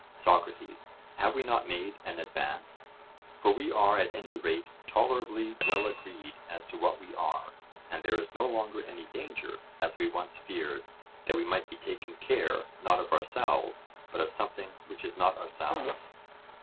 SOCRATES: Have we not made an advance? for we are at any rate tolerably well agreed as to what we are, and there is no longer any danger, as we once feared, that we might be taking care not of ourselves, but of something which is not ourselves.